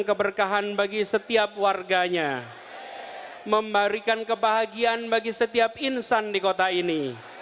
keberkahan bagi setiap warganya memberikan kebahagiaan bagi setiap insan di kota ini